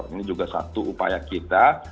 ini juga satu upaya kita